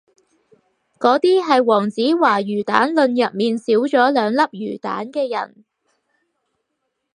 嗰啲係黃子華魚蛋論入面少咗兩粒魚蛋嘅人